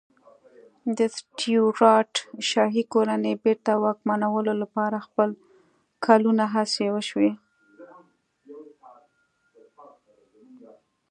د سټیوراټ شاهي کورنۍ بېرته واکمنولو لپاره کلونه هڅې وشوې.